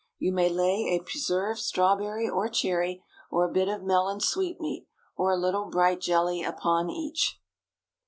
You may lay a preserved strawberry or cherry, or a bit of melon sweetmeat, or a little bright jelly upon each.